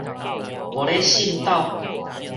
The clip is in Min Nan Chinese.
無咧信篤